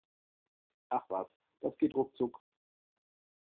Ach was, das geht ruckzuck!